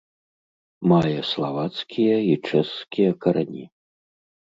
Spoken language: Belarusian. Мае славацкія і чэшскія карані.